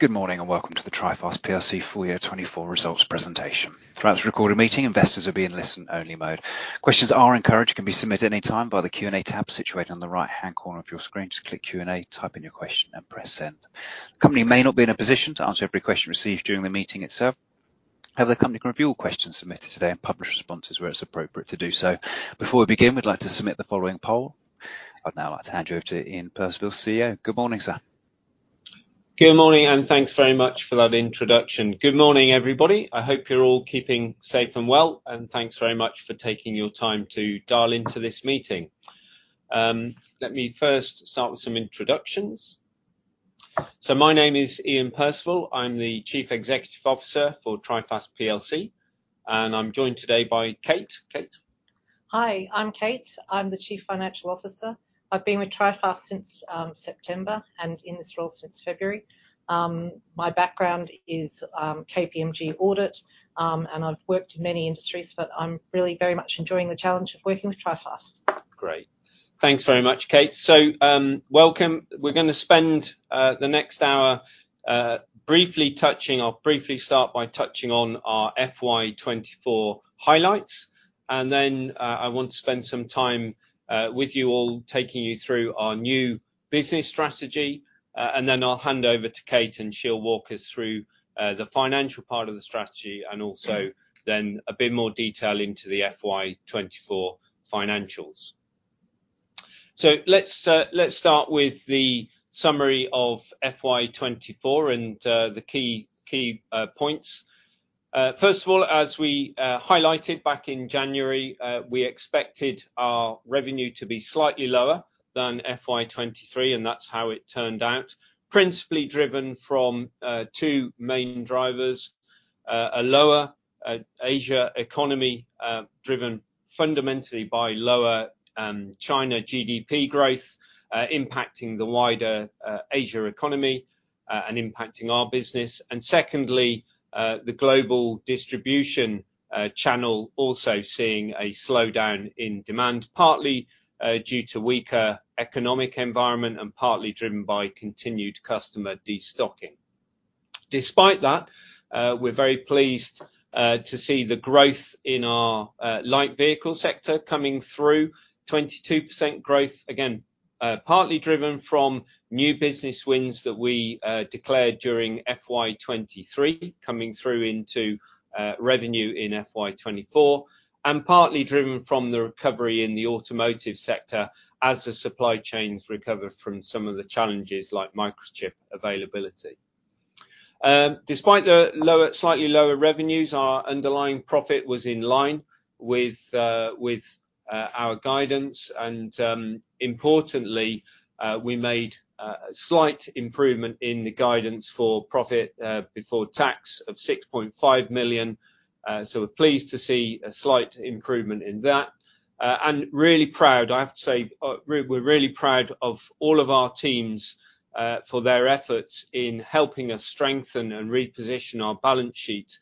Good morning, and welcome to the Trifast plc full year 2024 results presentation. Throughout this recorded meeting, investors will be in listen-only mode. Questions are encouraged, and can be submitted anytime by the Q&A tab situated on the right-hand corner of your screen. Just click Q&A, type in your question, and press Send. The company may not be in a position to answer every question received during the meeting itself. However, the company can review all questions submitted today and publish responses where it's appropriate to do so. Before we begin, we'd like to submit the following poll. I'd now like to hand you over to Iain Percival, CEO. Good morning, sir. Good morning, and thanks very much for that introduction. Good morning, everybody. I hope you're all keeping safe and well, and thanks very much for taking your time to dial into this meeting. Let me first start with some introductions. My name is Iain Percival. I'm the Chief Executive Officer for Trifast plc, and I'm joined today by Kate. Kate? Hi, I'm Kate. I'm the Chief Financial Officer. I've been with Trifast since September and in this role since February. My background is KPMG Audit, and I've worked in many industries, but I'm really very much enjoying the challenge of working with Trifast. Great. Thanks very much, Kate. Welcome. We're gonna spend the next hour briefly start by touching on our FY 2024 highlights, and then I want to spend some time with you all, taking you through our new business strategy. Then I'll hand over to Kate, and she'll walk us through the financial part of the strategy, and also then a bit more detail into the FY 2024 financials. Let's start with the summary of FY 2024 and the key points. First of all, as we highlighted back in January, we expected our revenue to be slightly lower than FY 2023, and that's how it turned out. Principally driven from two main drivers: a lower Asia economy, driven fundamentally by lower China GDP growth, impacting the wider Asia economy, and impacting our business. And secondly, the global distribution channel also seeing a slowdown in demand, partly due to weaker economic environment and partly driven by continued customer destocking. Despite that, we're very pleased to see the growth in our light vehicle sector coming through. 22% growth, again, partly driven from new business wins that we declared during FY 2023, coming through into revenue in FY 2024, and partly driven from the recovery in the automotive sector as the supply chains recover from some of the challenges like microchip availability. Despite the slightly lower revenues, our underlying profit was in line with our guidance, and importantly, we made a slight improvement in the guidance for profit before tax of 6.5 million. So we're pleased to see a slight improvement in that, and really proud, I have to say, we're really proud of all of our teams for their efforts in helping us strengthen and reposition our balance sheet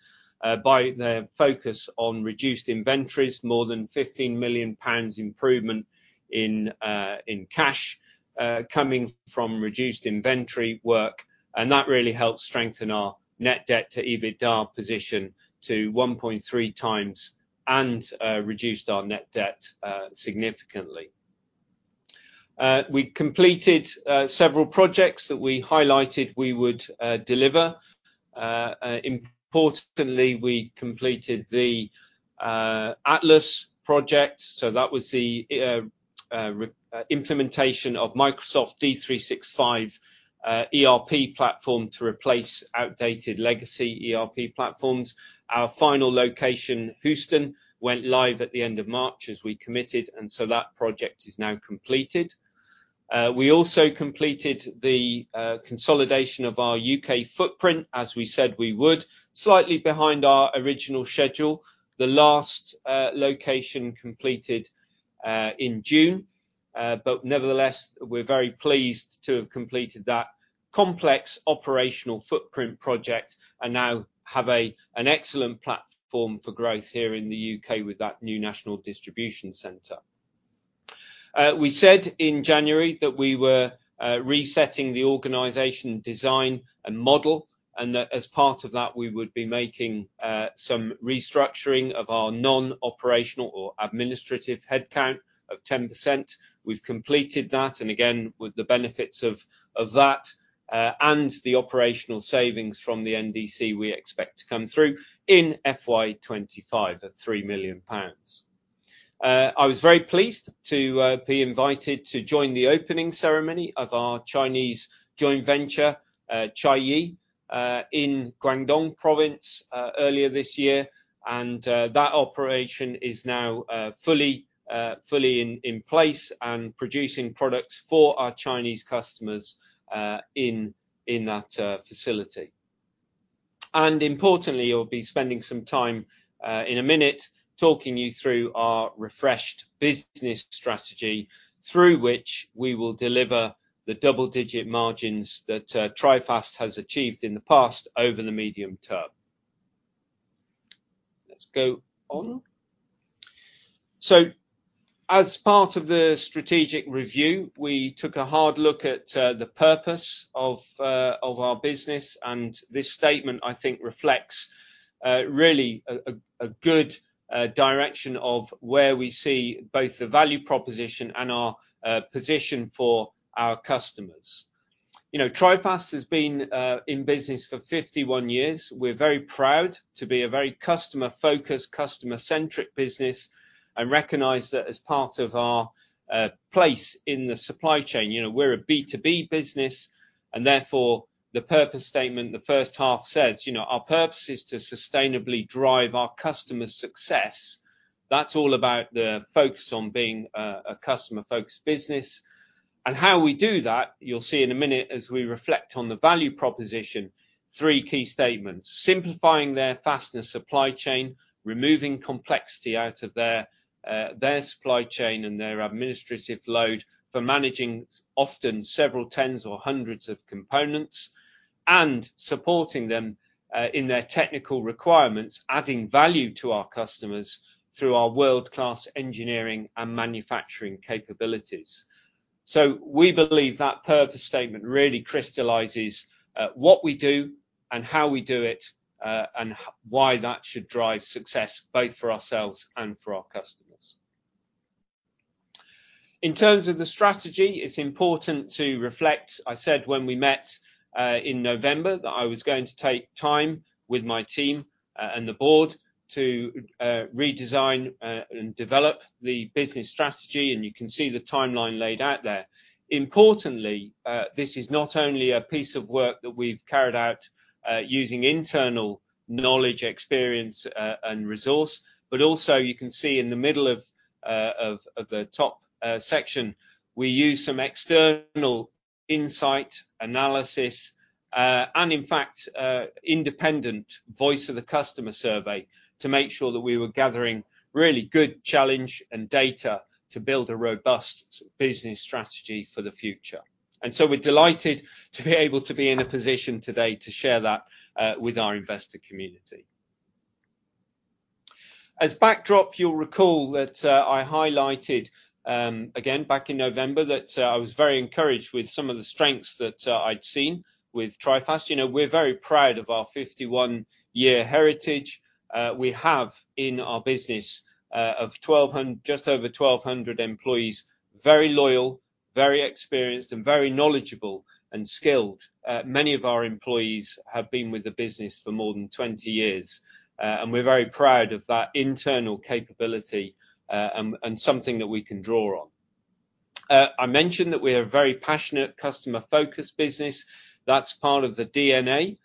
by their focus on reduced inventories, more than 15 million pounds improvement in cash coming from reduced inventory work, and that really helped strengthen our net debt to EBITDA position to 1.3 times and reduced our net debt significantly. We completed several projects that we highlighted we would deliver. Importantly, we completed the Project Atlas, so that was the implementation of Microsoft D365 ERP platform to replace outdated legacy ERP platforms. Our final location, Houston, went live at the end of March, as we committed, and so that project is now completed. We also completed the consolidation of our UK footprint, as we said we would, slightly behind our original schedule. The last location completed in June, but nevertheless, we're very pleased to have completed that complex operational footprint project and now have an excellent platform for growth here in the UK with that new national distribution center. We said in January that we were resetting the organization design and model, and that as part of that, we would be making some restructuring of our non-operational or administrative headcount of 10%. We've completed that, and again, with the benefits of that, and the operational savings from the NDC, we expect to come through in FY 2025 at 3 million pounds. I was very pleased to be invited to join the opening ceremony of our Chinese joint venture, T&E, in Guangdong Province, earlier this year, and that operation is now fully in place and producing products for our Chinese customers, in that facility. And importantly, we'll be spending some time, in a minute, talking you through our refreshed business strategy, through which we will deliver the double-digit margins that Trifast has achieved in the past over the medium term.... go on. So as part of the strategic review, we took a hard look at the purpose of our business, and this statement, I think, reflects really a good direction of where we see both the value proposition and our position for our customers. You know, Trifast has been in business for 51 years. We're very proud to be a very customer-focused, customer-centric business, and recognize that as part of our place in the supply chain. You know, we're a B2B business, and therefore, the purpose statement, the first half says, "Our purpose is to sustainably drive our customers' success." That's all about the focus on being a customer-focused business. And how we do that, you'll see in a minute as we reflect on the value proposition, three key statements: simplifying their fastener supply chain, removing complexity out of their, their supply chain and their administrative load for managing often several tens or hundreds of components, and supporting them in their technical requirements, adding value to our customers through our world-class engineering and manufacturing capabilities. So we believe that purpose statement really crystallizes what we do and how we do it, and why that should drive success both for ourselves and for our customers. In terms of the strategy, it's important to reflect. I said when we met in November, that I was going to take time with my team and the board to redesign and develop the business strategy, and you can see the timeline laid out there. Importantly, this is not only a piece of work that we've carried out using internal knowledge, experience, and resource, but also, you can see in the middle of the top section, we used some external insight, analysis, and in fact, independent voice of the customer survey, to make sure that we were gathering really good challenge and data to build a robust business strategy for the future. And so we're delighted to be able to be in a position today to share that with our investor community. As backdrop, you'll recall that I highlighted, again, back in November, that I was very encouraged with some of the strengths that I'd seen with Trifast. You know, we're very proud of our 51-year heritage. We have in our business just over 1,200 employees, very loyal, very experienced, and very knowledgeable, and skilled. Many of our employees have been with the business for more than 20 years, and we're very proud of that internal capability, and something that we can draw on. I mentioned that we are a very passionate, customer-focused business. That's part of the DNA,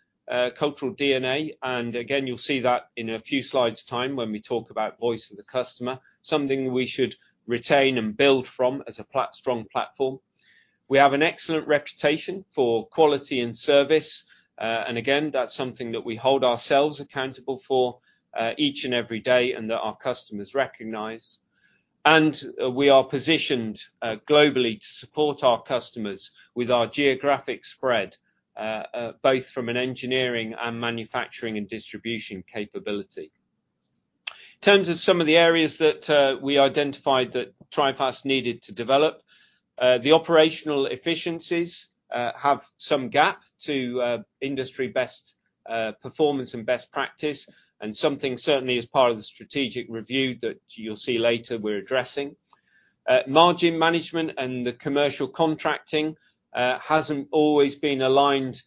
cultural DNA, and again, you'll see that in a few slides' time when we talk about voice of the customer, something we should retain and build from as a strong platform. We have an excellent reputation for quality and service, and again, that's something that we hold ourselves accountable for each and every day, and that our customers recognize. We are positioned globally to support our customers with our geographic spread, both from an engineering and manufacturing and distribution capability. In terms of some of the areas that we identified that Trifast needed to develop, the operational efficiencies have some gap to industry best performance and best practice, and something certainly as part of the strategic review that you'll see later, we're addressing. Margin management and the commercial contracting hasn't always been aligned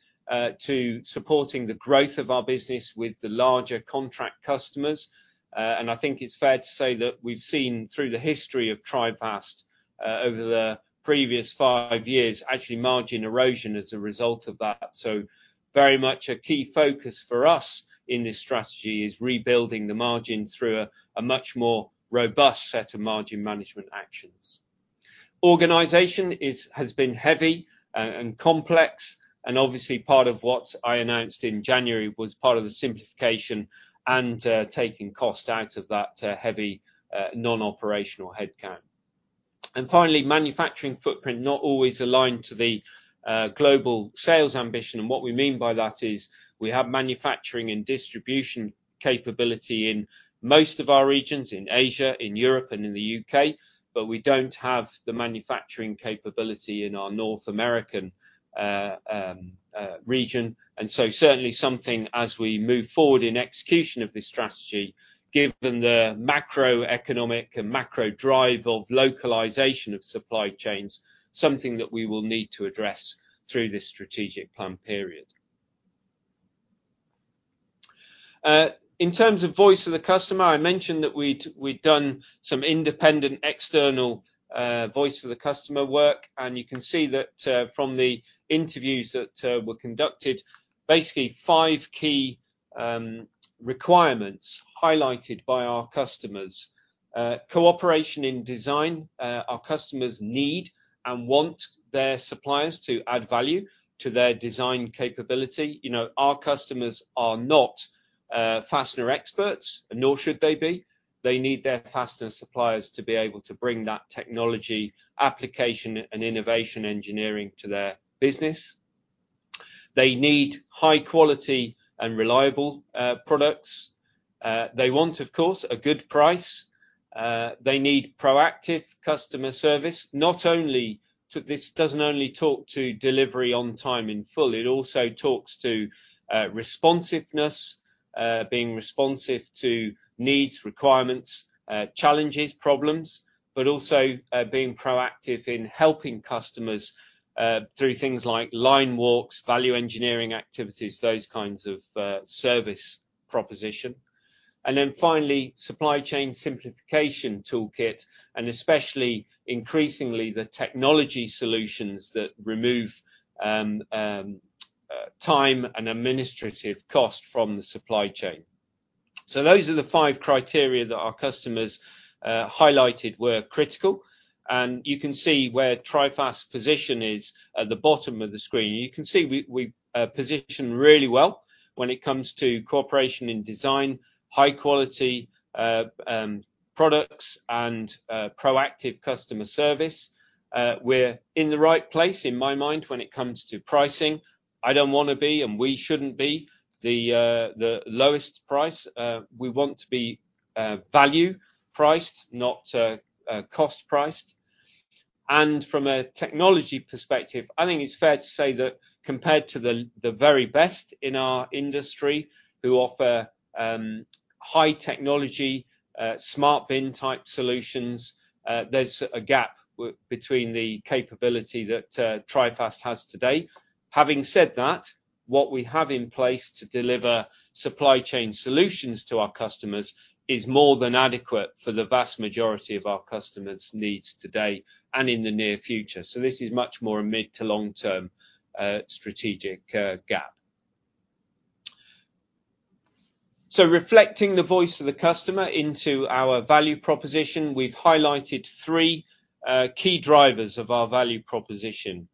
to supporting the growth of our business with the larger contract customers, and I think it's fair to say that we've seen through the history of Trifast, over the previous five years, actually, margin erosion as a result of that. So very much a key focus for us in this strategy is rebuilding the margin through a much more robust set of margin management actions. Organization has been heavy and complex, and obviously, part of what I announced in January was part of the simplification and taking cost out of that heavy non-operational headcount. And finally, manufacturing footprint, not always aligned to the global sales ambition, and what we mean by that is we have manufacturing and distribution capability in most of our regions, in Asia, in Europe, and in the UK, but we don't have the manufacturing capability in our North American region. And so certainly something as we move forward in execution of this strategy, given the macroeconomic and macro drive of localization of supply chains, something that we will need to address through this strategic plan period. In terms of voice of the customer, I mentioned that we'd, we'd done some independent external voice for the customer work, and you can see that from the interviews that were conducted, basically five key requirements highlighted by our customers. Cooperation in design, our customers need and want their suppliers to add value to their design capability. You know, our customers are not fastener experts, nor should they be. They need their fastener suppliers to be able to bring that technology, application, and innovation engineering to their business. They need high quality and reliable products. They want, of course, a good price. They need proactive customer service, not only to—this doesn't only talk to delivery on time in full, it also talks to responsiveness, being responsive to needs, requirements, challenges, problems, but also being proactive in helping customers through things like line walks, value engineering activities, those kinds of service proposition. And then finally, supply chain simplification toolkit, and especially increasingly, the technology solutions that remove time and administrative cost from the supply chain. So those are the five criteria that our customers highlighted were critical. And you can see where Trifast's position is at the bottom of the screen. You can see we position really well when it comes to cooperation in design, high quality products, and proactive customer service. We're in the right place, in my mind, when it comes to pricing. I don't wanna be, and we shouldn't be, the lowest price. We want to be value priced, not cost priced. And from a technology perspective, I think it's fair to say that compared to the very best in our industry, who offer high technology smart bin-type solutions, there's a gap between the capability that Trifast has today. Having said that, what we have in place to deliver supply chain solutions to our customers is more than adequate for the vast majority of our customers' needs today and in the near future. So this is much more a mid to long term strategic gap. So reflecting the voice of the customer into our value proposition, we've highlighted three key drivers of our value proposition: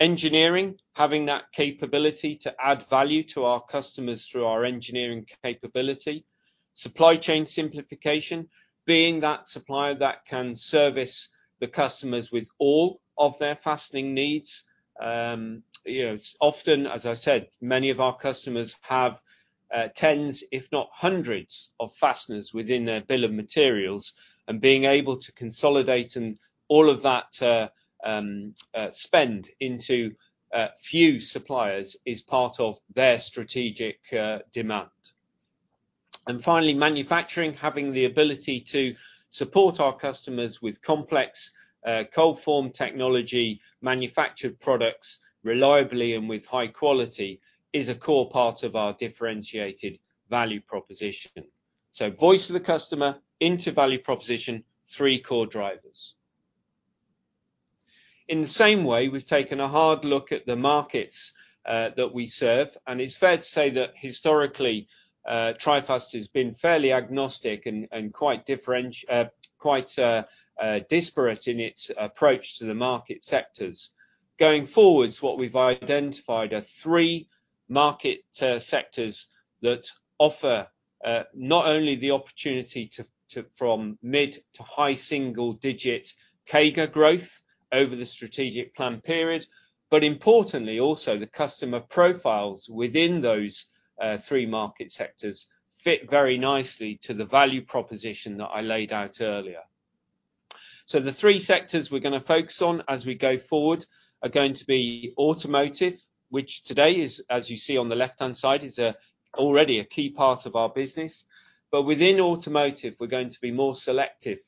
engineering, having that capability to add value to our customers through our engineering capability; supply chain simplification, being that supplier that can service the customers with all of their fastening needs. You know, often, as I said, many of our customers have tens, if not hundreds, of fasteners within their bill of materials, and being able to consolidate and all of that spend into few suppliers is part of their strategic demand. And finally, manufacturing, having the ability to support our customers with complex cold form technology, manufactured products, reliably and with high quality, is a core part of our differentiated value proposition. So voice of the customer into value proposition, three core drivers. In the same way, we've taken a hard look at the markets that we serve, and it's fair to say that historically, Trifast has been fairly agnostic and quite different, quite disparate in its approach to the market sectors. Going forward, what we've identified are three market sectors that offer not only the opportunity to from mid- to high-single-digit CAGR growth over the strategic plan period, but importantly, also, the customer profiles within those three market sectors fit very nicely to the value proposition that I laid out earlier. So the three sectors we're gonna focus on as we go forward are going to be automotive, which today is, as you see on the left-hand side, already a key part of our business. But within automotive, we're going to be more selective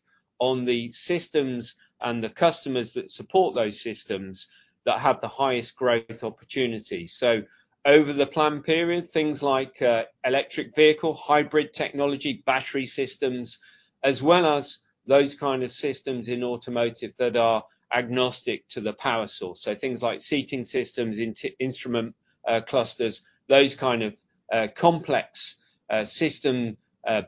on the systems and the customers that support those systems, that have the highest growth opportunity. So over the plan period, things like electric vehicle, hybrid technology, battery systems, as well as those kind of systems in automotive that are agnostic to the power source. So things like seating systems, instrument clusters, those kind of complex system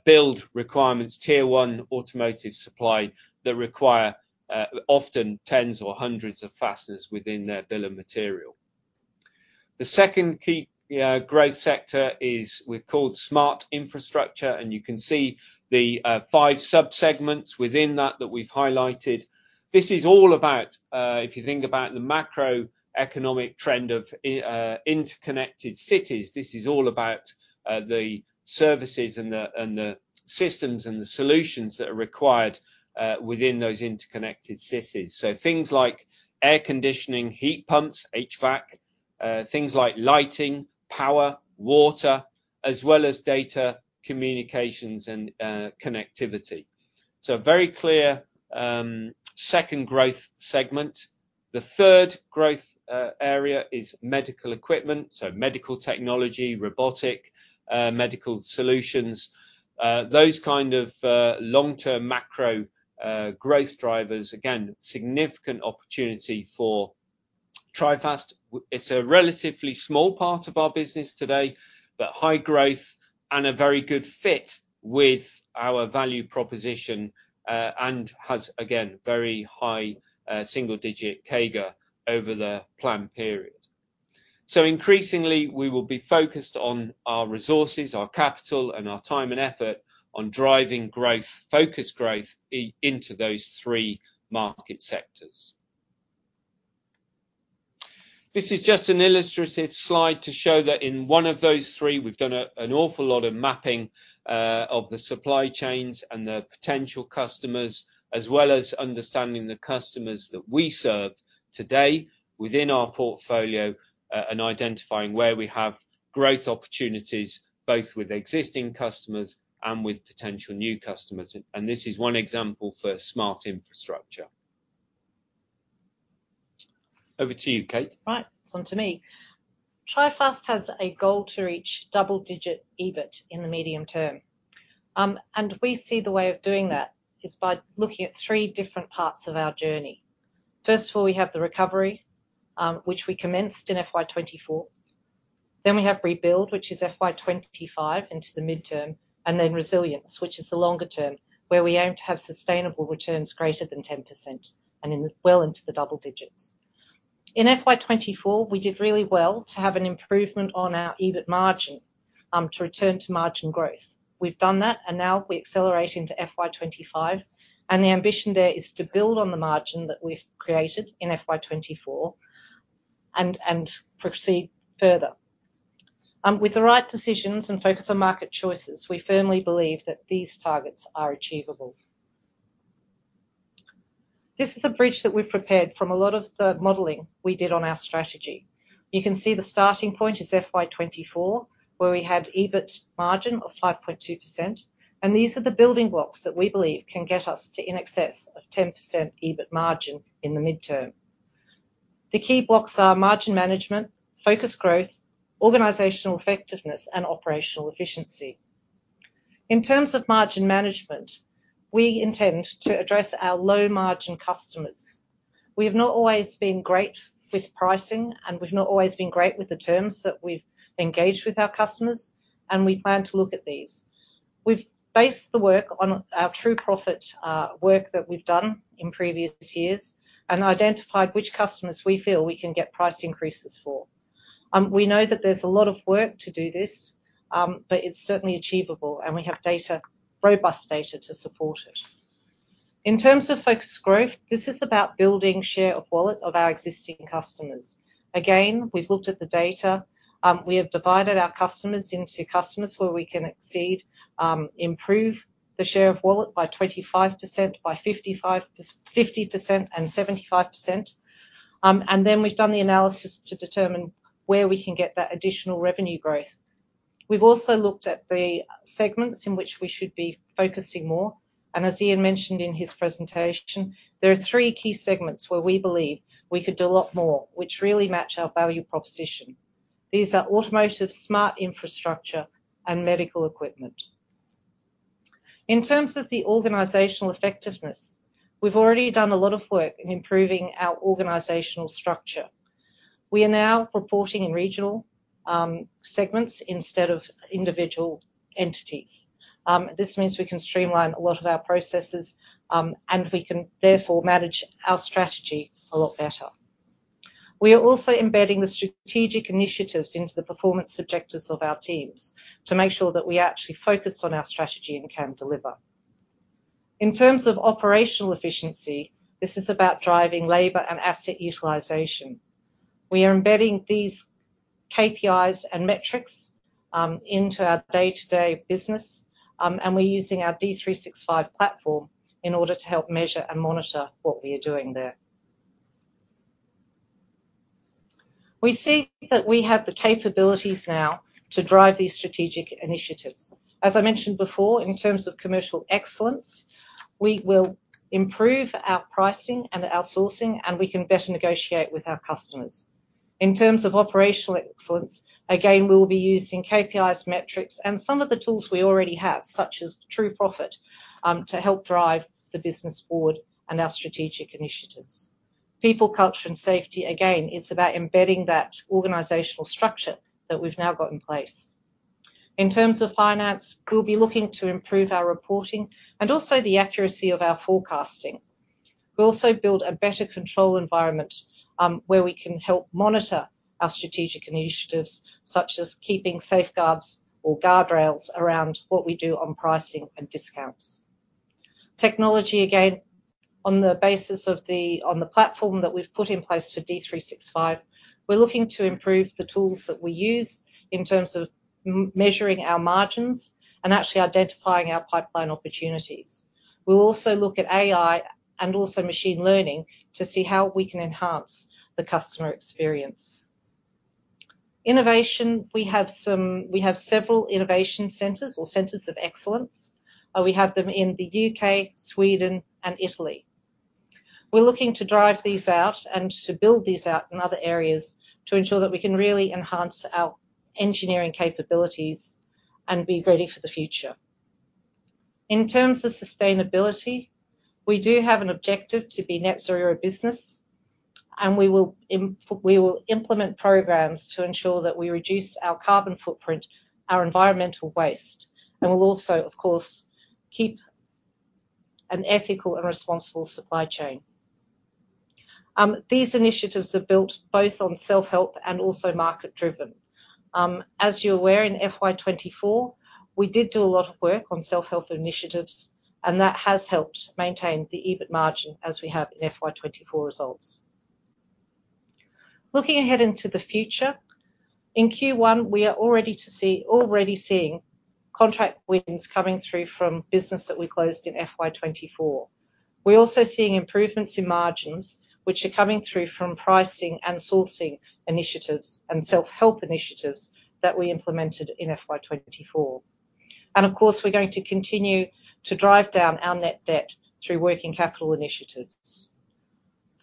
build requirements, tier one automotive supply, that require often tens or hundreds of fasteners within their bill of material. The second key growth sector is we've called smart infrastructure, and you can see the five subsegments within that that we've highlighted. This is all about, if you think about the macroeconomic trend of interconnected cities, this is all about, the services and the systems and the solutions that are required, within those interconnected cities. So things like air conditioning, heat pumps, HVAC, things like lighting, power, water, as well as data communications and, connectivity. So a very clear, second growth segment. The third growth, area is medical equipment, so medical technology, robotic, medical solutions. Those kind of, long-term macro, growth drivers, again, significant opportunity for Trifast. It's a relatively small part of our business today, but high growth and a very good fit with our value proposition, and has, again, very high, single digit CAGR over the plan period. So increasingly, we will be focused on our resources, our capital, and our time and effort on driving growth, focused growth into those three market sectors. This is just an illustrative slide to show that in one of those three, we've done an awful lot of mapping of the supply chains and the potential customers, as well as understanding the customers that we serve today within our portfolio, and identifying where we have growth opportunities, both with existing customers and with potential new customers, and this is one example for smart infrastructure. Over to you, Kate. Right, it's on to me. Trifast has a goal to reach double-digit EBIT in the medium term. We see the way of doing that is by looking at three different parts of our journey. First of all, we have the recovery, which we commenced in FY 2024. Then we have rebuild, which is FY 2025 into the midterm, and then resilience, which is the longer term, where we aim to have sustainable returns greater than 10% and in well into the double digits. In FY 2024, we did really well to have an improvement on our EBIT margin, to return to margin growth. We've done that, and now we accelerate into FY 2025, and the ambition there is to build on the margin that we've created in FY 2024 and, and proceed further. With the right decisions and focus on market choices, we firmly believe that these targets are achievable. This is a bridge that we've prepared from a lot of the modeling we did on our strategy. You can see the starting point is FY 2024, where we had EBIT margin of 5.2%, and these are the building blocks that we believe can get us to in excess of 10% EBIT margin in the midterm. The key blocks are margin management, focused growth, organizational effectiveness, and operational efficiency. In terms of margin management, we intend to address our low margin customers. We have not always been great with pricing, and we've not always been great with the terms that we've engaged with our customers, and we plan to look at these. We've based the work on our True Profit, work that we've done in previous years and identified which customers we feel we can get price increases for. We know that there's a lot of work to do this, but it's certainly achievable, and we have data, robust data, to support it. In terms of focused growth, this is about building share of wallet of our existing customers. Again, we've looked at the data. We have divided our customers into customers where we can improve the share of wallet by 25%, by 55, 50%, and 75%. And then we've done the analysis to determine where we can get that additional revenue growth. We've also looked at the segments in which we should be focusing more, and as Iain mentioned in his presentation, there are three key segments where we believe we could do a lot more, which really match our value proposition. These are automotive, smart infrastructure, and medical equipment. In terms of the organizational effectiveness, we've already done a lot of work in improving our organizational structure. We are now reporting in regional segments instead of individual entities. This means we can streamline a lot of our processes, and we can therefore manage our strategy a lot better. We are also embedding the strategic initiatives into the performance objectives of our teams to make sure that we are actually focused on our strategy and can deliver. In terms of operational efficiency, this is about driving labor and asset utilization. We are embedding these KPIs and metrics into our day-to-day business, and we're using our D365 platform in order to help measure and monitor what we are doing there. We see that we have the capabilities now to drive these strategic initiatives. As I mentioned before, in terms of commercial excellence, we will improve our pricing and our sourcing, and we can better negotiate with our customers. In terms of operational excellence, again, we'll be using KPIs, metrics, and some of the tools we already have, such as True Profit, to help drive the business forward and our strategic initiatives. People, culture, and safety, again, is about embedding that organizational structure that we've now got in place. In terms of finance, we'll be looking to improve our reporting and also the accuracy of our forecasting. We'll also build a better control environment, where we can help monitor our strategic initiatives, such as keeping safeguards or guardrails around what we do on pricing and discounts. Technology, again, on the basis of the platform that we've put in place for D365, we're looking to improve the tools that we use in terms of measuring our margins and actually identifying our pipeline opportunities. We'll also look at AI and also machine learning to see how we can enhance the customer experience. Innovation, we have several innovation centers or centers of excellence. We have them in the UK, Sweden, and Italy. We're looking to drive these out and to build these out in other areas to ensure that we can really enhance our engineering capabilities and be ready for the future. In terms of sustainability, we do have an objective to be net zero business, and we will implement programs to ensure that we reduce our carbon footprint, our environmental waste, and we'll also, of course, keep an ethical and responsible supply chain. These initiatives are built both on self-help and also market-driven. As you're aware, in FY 2024, we did do a lot of work on self-help initiatives, and that has helped maintain the EBIT margin as we have in FY 2024 results. Looking ahead into the future, in Q1, we are already seeing contract wins coming through from business that we closed in FY 2024. We're also seeing improvements in margins, which are coming through from pricing and sourcing initiatives and self-help initiatives that we implemented in FY 2024. Of course, we're going to continue to drive down our net debt through working capital initiatives.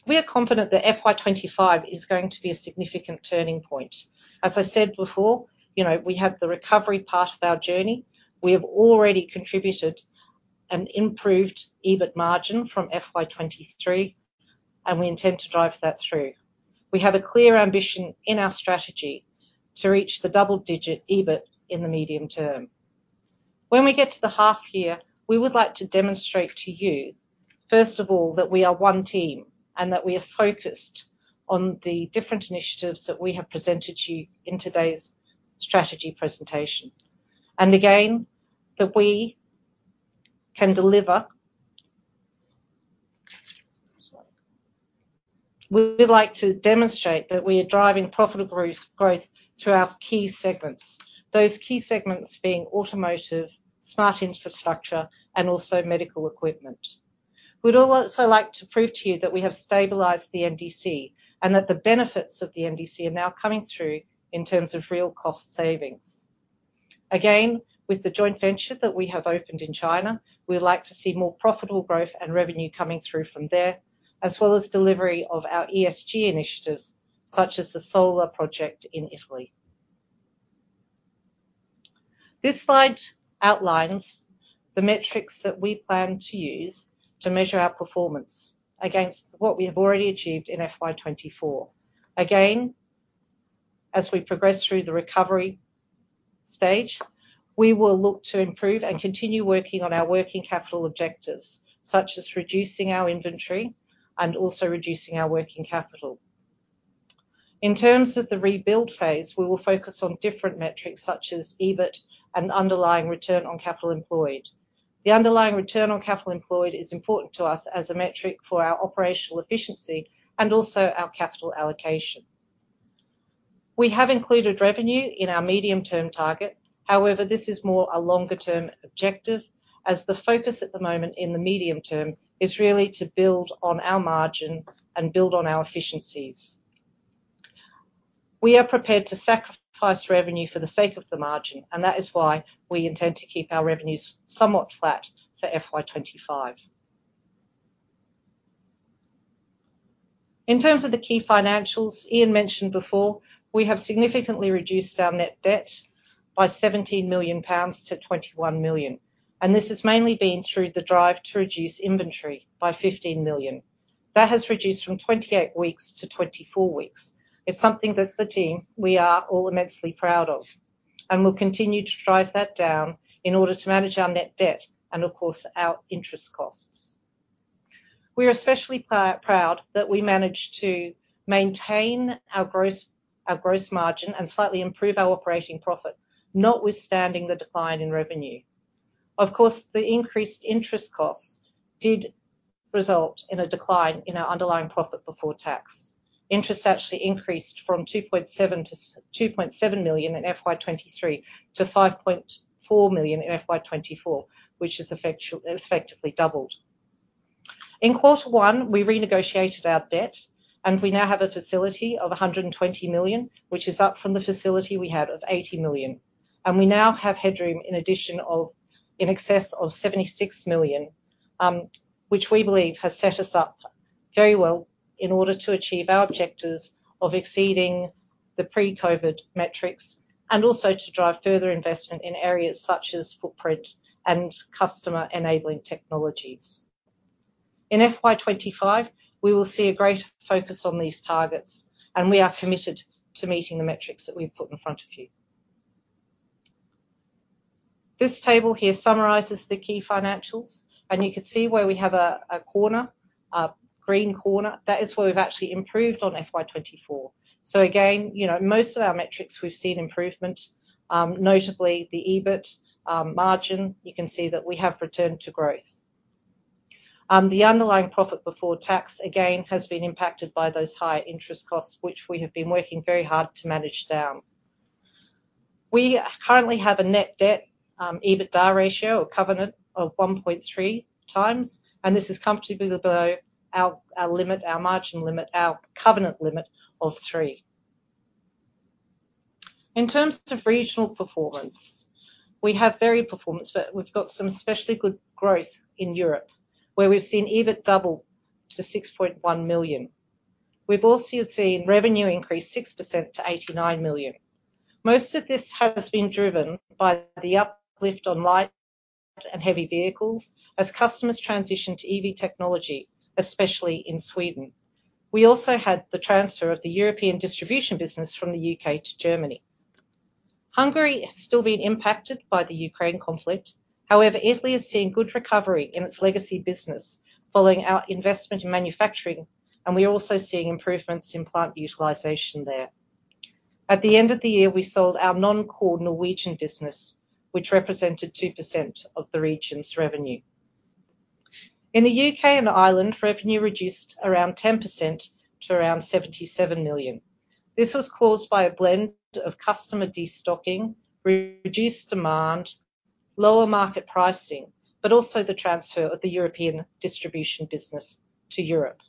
We are confident that FY 25 is going to be a significant turning point. As I said before, you know, we have the recovery part of our journey. We have already contributed an improved EBIT margin from FY 23, and we intend to drive that through. We have a clear ambition in our strategy to reach the double-digit EBIT in the medium term. When we get to the half year, we would like to demonstrate to you, first of all, that we are one team, and that we are focused on the different initiatives that we have presented to you in today's strategy presentation. Again, that we can deliver. We would like to demonstrate that we are driving profitable growth, growth through our key segments. Those key segments being automotive, smart infrastructure, and also medical equipment. We'd also like to prove to you that we have stabilized the NDC, and that the benefits of the NDC are now coming through in terms of real cost savings. Again, with the joint venture that we have opened in China, we'd like to see more profitable growth and revenue coming through from there, as well as delivery of our ESG initiatives, such as the solar project in Italy. This slide outlines the metrics that we plan to use to measure our performance against what we have already achieved in FY 2024. Again, as we progress through the recovery stage, we will look to improve and continue working on our working capital objectives, such as reducing our inventory and also reducing our working capital. In terms of the rebuild phase, we will focus on different metrics, such as EBIT and underlying return on capital employed. The underlying return on capital employed is important to us as a metric for our operational efficiency and also our capital allocation. We have included revenue in our medium-term target. However, this is more a longer term objective, as the focus at the moment in the medium term is really to build on our margin and build on our efficiencies. We are prepared to sacrifice revenue for the sake of the margin, and that is why we intend to keep our revenues somewhat flat for FY 2025. In terms of the key financials, Iain mentioned before, we have significantly reduced our net debt by 70 million pounds to 21 million, and this has mainly been through the drive to reduce inventory by 15 million. That has reduced from 28 weeks to 24 weeks. It's something that the team, we are all immensely proud of, and we'll continue to drive that down in order to manage our net debt and of course, our interest costs. We are especially proud that we managed to maintain our gross, our gross margin and slightly improve our operating profit, notwithstanding the decline in revenue. Of course, the increased interest costs did result in a decline in our underlying profit before tax. Interest actually increased from 2.7 million in FY 2023 to 5.4 million in FY 2024, which has effectively doubled. In quarter one, we renegotiated our debt, and we now have a facility of 120 million, which is up from the facility we had of 80 million. And we now have headroom in addition of in excess of 76 million, which we believe has set us up very well in order to achieve our objectives of exceeding the pre-COVID metrics, and also to drive further investment in areas such as footprint and customer enabling technologies. In FY 2025, we will see a great focus on these targets, and we are committed to meeting the metrics that we've put in front of you. This table here summarizes the key financials, and you can see where we have a, a corner, a green corner. That is where we've actually improved on FY 2024. So again, you know, most of our metrics, we've seen improvement, notably the EBIT margin, you can see that we have returned to growth. The underlying profit before tax, again, has been impacted by those higher interest costs, which we have been working very hard to manage down. We currently have a net debt EBITDA ratio or covenant of 1.3 times, and this is comfortably below our, our limit, our margin limit, our covenant limit of 3. In terms of regional performance, we have varied performance, but we've got some especially good growth in Europe, where we've seen EBIT double to 6.1 million. We've also seen revenue increase 6% to 89 million. Most of this has been driven by the uplift on light and heavy vehicles as customers transition to EV technology, especially in Sweden. We also had the transfer of the European distribution business from the UK to Germany. Hungary has still been impacted by the Ukraine conflict. However, Italy is seeing good recovery in its legacy business following our investment in manufacturing, and we are also seeing improvements in plant utilization there. At the end of the year, we sold our non-core Norwegian business, which represented 2% of the region's revenue. In the UK and Ireland, revenue reduced around 10% to around 77 million. This was caused by a blend of customer de-stocking, reduced demand, lower market pricing, but also the transfer of the European distribution business to Europe.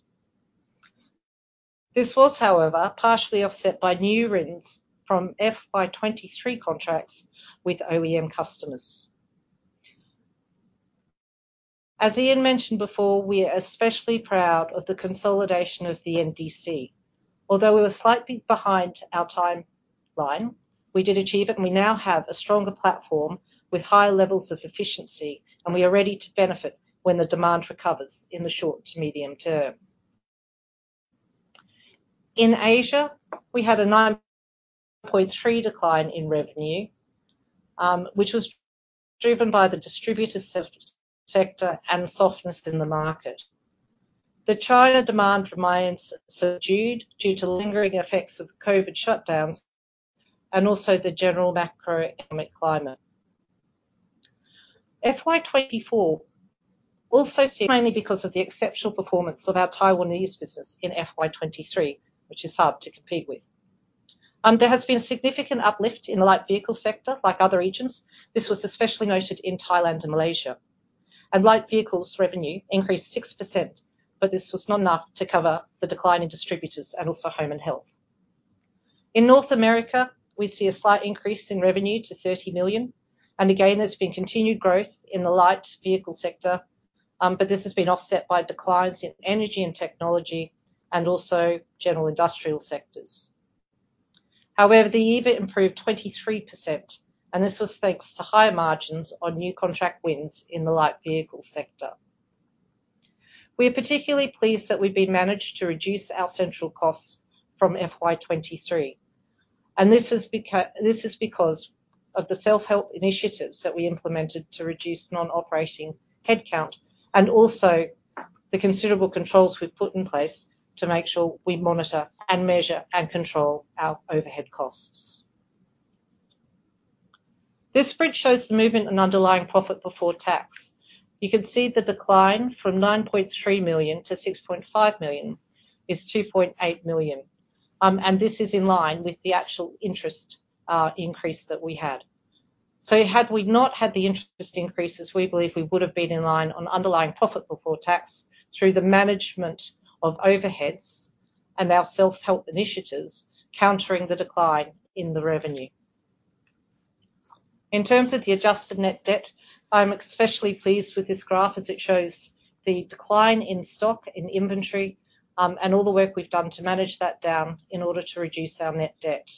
This was, however, partially offset by new rents from FY 2023 contracts with OEM customers. As Iain mentioned before, we are especially proud of the consolidation of the NDC. Although we were slightly behind our timeline, we did achieve it, and we now have a stronger platform with high levels of efficiency, and we are ready to benefit when the demand recovers in the short to medium term. In Asia, we had a 9.3% decline in revenue, which was driven by the distributor sector and softness in the market. The China demand remains subdued due to lingering effects of the COVID shutdowns and also the general macroeconomic climate. FY 2024 also saw, mainly because of the exceptional performance of our Taiwanese business in FY 2023, which is hard to compete with. There has been a significant uplift in the light vehicle sector, like other regions. This was especially noted in Thailand and Malaysia. Light vehicles revenue increased 6%, but this was not enough to cover the decline in distributors and also home and health. In North America, we see a slight increase in revenue to $30 million, and again, there's been continued growth in the light vehicle sector, but this has been offset by declines in energy and technology and also general industrial sectors. However, the EBIT improved 23%, and this was thanks to higher margins on new contract wins in the light vehicle sector. We are particularly pleased that we've been managed to reduce our central costs from FY 2023, and this is because of the self-help initiatives that we implemented to reduce non-operating headcount, and also the considerable controls we've put in place to make sure we monitor, and measure, and control our overhead costs. This bridge shows the movement and underlying profit before tax. You can see the decline from 9.3 million to 6.5 million, is 2.8 million. And this is in line with the actual interest increase that we had. So had we not had the interest increases, we believe we would have been in line on underlying profit before tax through the management of overheads and our self-help initiatives, countering the decline in the revenue. In terms of the adjusted net debt, I'm especially pleased with this graph as it shows the decline in stock, in inventory, and all the work we've done to manage that down in order to reduce our net debt.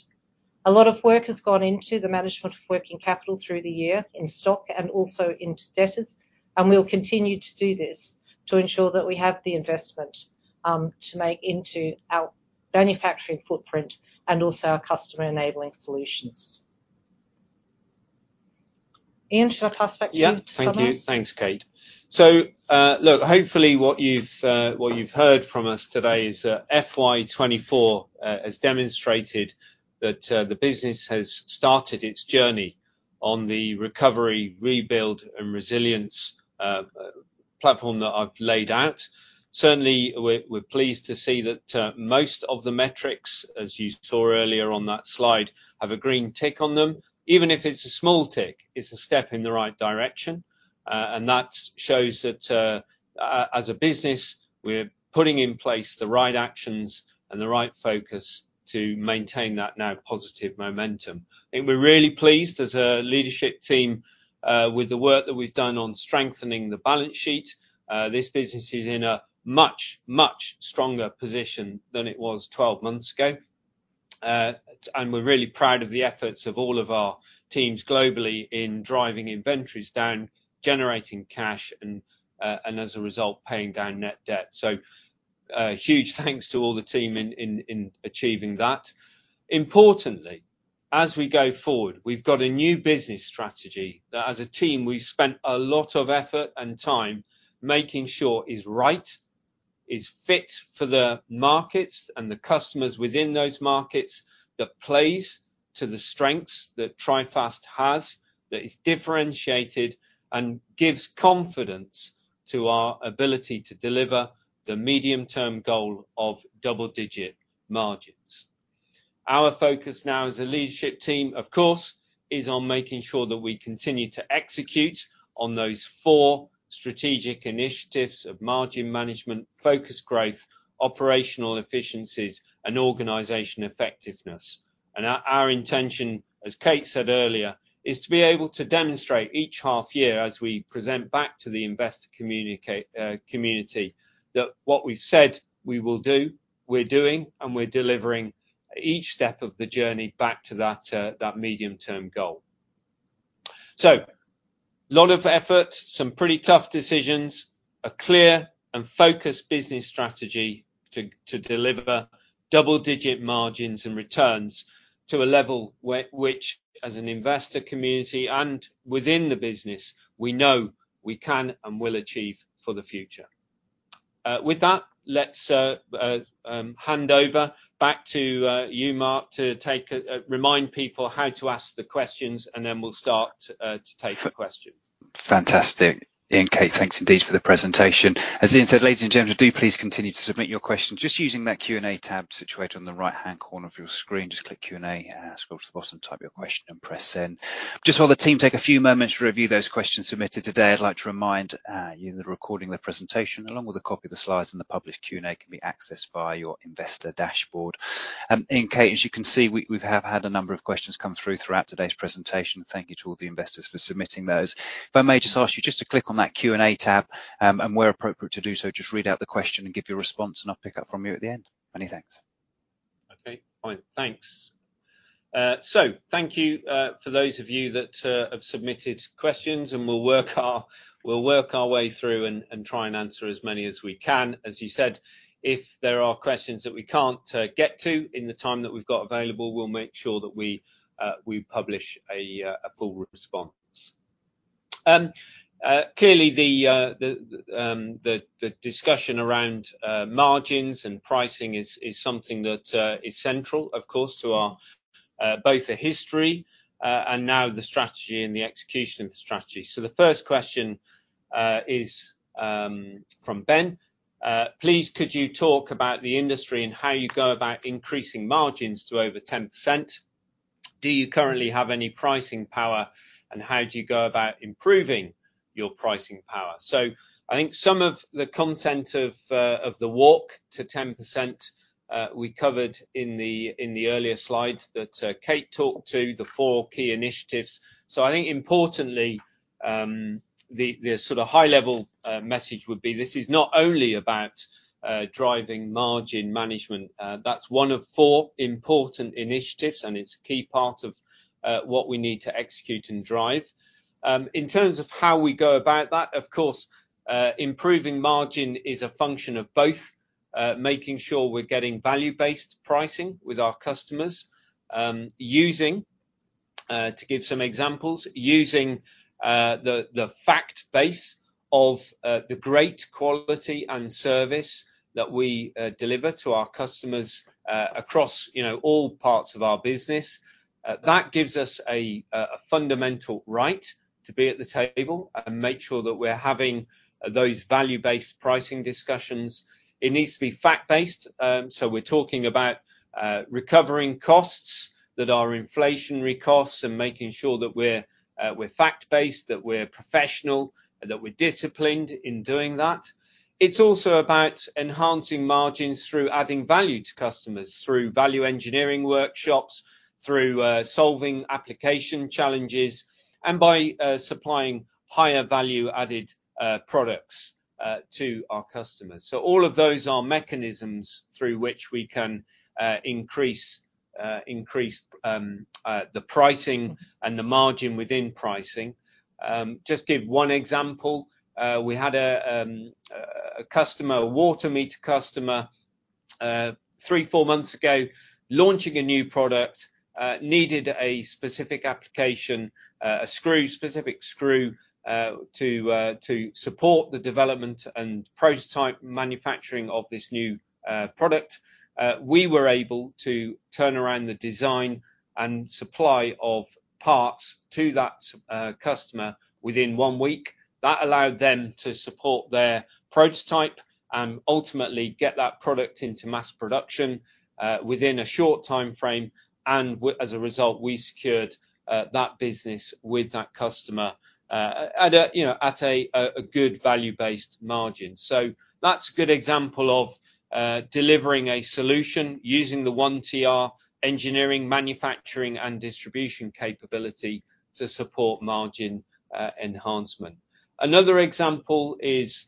A lot of work has gone into the management of working capital through the year in stock and also into debtors, and we'll continue to do this to ensure that we have the investment to make into our manufacturing footprint and also our customer enabling solutions. Iain, should I pass back to you for summary? Yeah, thank you. Thanks, Kate. So, look, hopefully what you've heard from us today is, FY 2024 has demonstrated that the business has started its journey on the recovery, rebuild, and resilience platform that I've laid out. Certainly, we're pleased to see that most of the metrics, as you saw earlier on that slide, have a green tick on them. Even if it's a small tick, it's a step in the right direction, and that shows that as a business, we're putting in place the right actions and the right focus to maintain that now positive momentum. And we're really pleased as a leadership team with the work that we've done on strengthening the balance sheet. This business is in a much, much stronger position than it was 12 months ago. And we're really proud of the efforts of all of our teams globally in driving inventories down, generating cash, and as a result, paying down net debt. So, huge thanks to all the team in achieving that. Importantly, as we go forward, we've got a new business strategy that as a team, we've spent a lot of effort and time making sure is right, is fit for the markets and the customers within those markets, that plays to the strengths that Trifast has, that is differentiated and gives confidence to our ability to deliver the medium-term goal of double-digit margins. Our focus now as a leadership team, of course, is on making sure that we continue to execute on those four strategic initiatives of margin management, focus growth, operational efficiencies, and organization effectiveness. And our intention, as Kate said earlier, is to be able to demonstrate each half year as we present back to the investor community, that what we've said we will do, we're doing, and we're delivering each step of the journey back to that medium-term goal. So a lot of effort, some pretty tough decisions, a clear and focused business strategy to deliver double-digit margins and returns to a level which, as an investor community and within the business, we know we can and will achieve for the future. With that, let's hand over back to you, Mark, to remind people how to ask the questions, and then we'll start to take the questions. Fantastic. Iain, Kate, thanks indeed for the presentation. As Iain said, ladies and gentlemen, do please continue to submit your questions just using that Q&A tab situated on the right-hand corner of your screen. Just click Q&A, scroll to the bottom, type your question, and press Send. Just while the team take a few moments to review those questions submitted today, I'd like to remind you that the recording of the presentation, along with a copy of the slides and the published Q&A, can be accessed via your investor dashboard. Iain, Kate, as you can see, we've had a number of questions come through throughout today's presentation. Thank you to all the investors for submitting those. If I may just ask you just to click on that Q&A tab, and where appropriate to do so, just read out the question and give your response, and I'll pick up from you at the end. Many thanks. Okay. Fine. Thanks. So thank you for those of you that have submitted questions, and we'll work our way through and try and answer as many as we can. As you said, if there are questions that we can't get to in the time that we've got available, we'll make sure that we publish a full response. Clearly, the discussion around margins and pricing is something that is central, of course, to our both the history and now the strategy and the execution of the strategy. So the first question is from Ben: Please, could you talk about the industry and how you go about increasing margins to over 10%? Do you currently have any pricing power, and how do you go about improving your pricing power? So I think some of the content of, of the walk to 10%, we covered in the, in the earlier slides that, Kate talked to, the four key initiatives. So I think importantly, the, the sort of high-level, message would be, this is not only about, driving margin management. That's one of four important initiatives, and it's a key part of, what we need to execute and drive. In terms of how we go about that, of course, improving margin is a function of both, making sure we're getting value-based pricing with our customers, using to give some examples, using the fact base of the great quality and service that we deliver to our customers across, you know, all parts of our business. That gives us a fundamental right to be at the table and make sure that we're having those value-based pricing discussions. It needs to be fact-based, so we're talking about recovering costs that are inflationary costs and making sure that we're fact-based, that we're professional, and that we're disciplined in doing that. It's also about enhancing margins through adding value to customers, through value engineering workshops, through solving application challenges, and by supplying higher value-added products to our customers. So all of those are mechanisms through which we can increase the pricing and the margin within pricing. Just give one example. We had a customer, a water meter customer 3-4 months ago, launching a new product needed a specific application, a screw, specific screw, to support the development and prototype manufacturing of this new product. We were able to turn around the design and supply of parts to that customer within one week. That allowed them to support their prototype and ultimately get that product into mass production within a short timeframe, and as a result, we secured that business with that customer at a, you know, a good value-based margin. So that's a good example of delivering a solution using the One TR engineering, manufacturing, and distribution capability to support margin enhancement. Another example is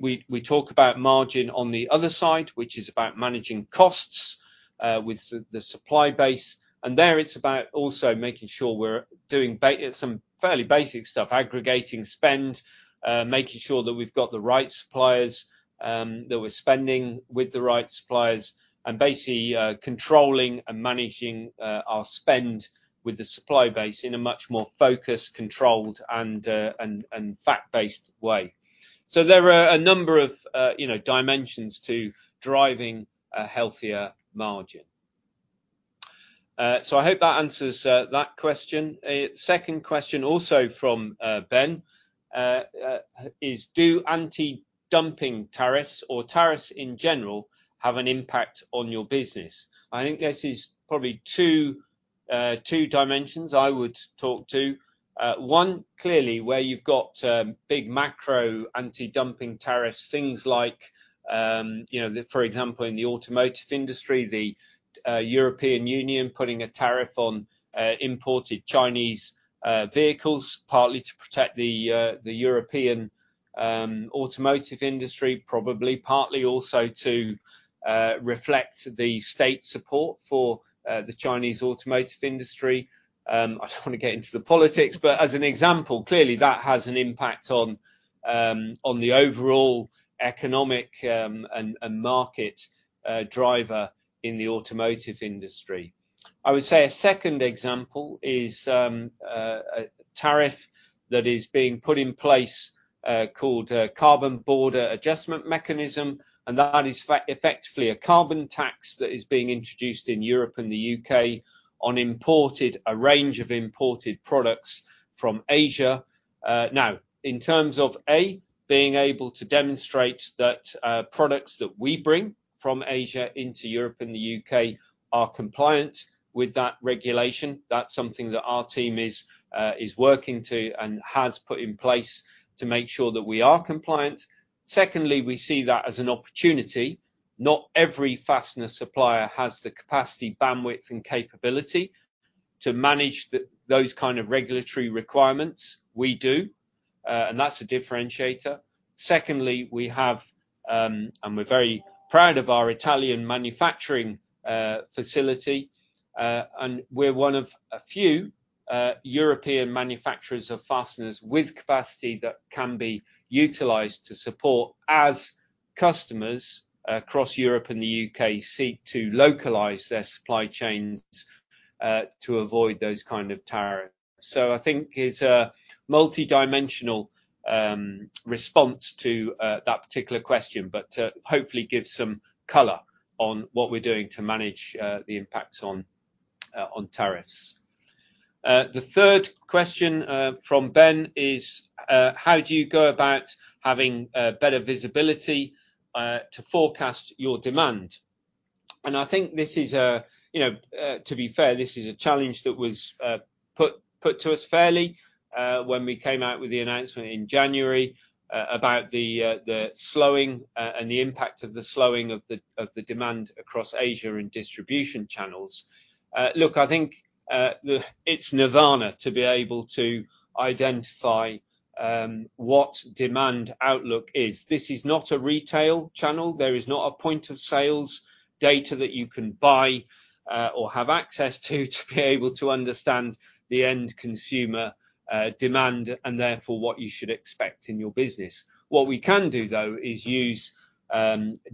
we talk about margin on the other side, which is about managing costs with the supply base, and there it's about also making sure we're doing some fairly basic stuff, aggregating spend, making sure that we've got the right suppliers, that we're spending with the right suppliers, and basically controlling and managing our spend with the supply base in a much more focused, controlled, and fact-based way. So there are a number of, you know, dimensions to driving a healthier margin. So I hope that answers that question. A second question, also from Ben, is: Do anti-dumping tariffs or tariffs in general have an impact on your business? I think this is probably two dimensions I would talk to. One, clearly, where you've got big macro anti-dumping tariffs, things like, you know, for example, in the automotive industry, the European Union putting a tariff on imported Chinese vehicles, partly to protect the European automotive industry, probably partly also to reflect the state support for the Chinese automotive industry. I don't want to get into the politics, but as an example, clearly that has an impact on the overall economic and market driver in the automotive industry. I would say a second example is a tariff that is being put in place called Carbon Border Adjustment Mechanism, and that is effectively a carbon tax that is being introduced in Europe and the UK on a range of imported products from Asia. Now, in terms of A, being able to demonstrate that products that we bring from Asia into Europe and the UK are compliant with that regulation, that's something that our team is working to and has put in place to make sure that we are compliant. Secondly, we see that as an opportunity. Not every fastener supplier has the capacity, bandwidth, and capability to manage those kind of regulatory requirements. We do, and that's a differentiator. Secondly, and we're very proud of our Italian manufacturing facility, and we're one of a few European manufacturers of fasteners with capacity that can be utilized to support as customers across Europe and the UK seek to localize their supply chains to avoid those kind of tariffs. So I think it's a multidimensional response to that particular question, but hopefully gives some color on what we're doing to manage the impact on tariffs. The third question from Ben is: How do you go about having better visibility to forecast your demand? And I think this is a, you know, to be fair, this is a challenge that was put to us fairly when we came out with the announcement in January about the slowing and the impact of the slowing of the demand across Asia and distribution channels. Look, I think it's nirvana to be able to identify what demand outlook is. This is not a retail channel. There is not a point of sales data that you can buy or have access to, to be able to understand the end consumer demand, and therefore what you should expect in your business. What we can do, though, is use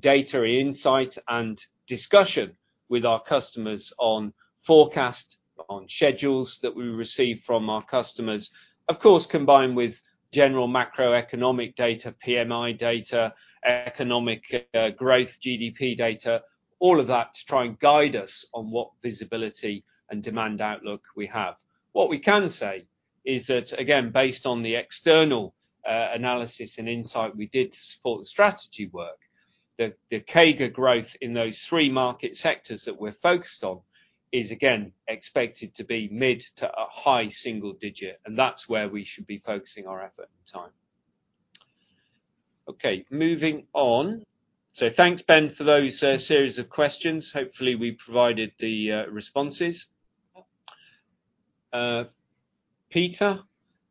data insight and discussion with our customers on forecast, on schedules that we receive from our customers. Of course, combined with general macroeconomic data, PMI data, economic, growth, GDP data, all of that, to try and guide us on what visibility and demand outlook we have. What we can say is that, again, based on the external, analysis and insight we did to support the strategy work, the, the CAGR growth in those three market sectors that we're focused on is, again, expected to be mid to a high single digit, and that's where we should be focusing our effort and time. Okay, moving on. So thanks, Ben, for those, series of questions. Hopefully, we provided the, responses. Peter,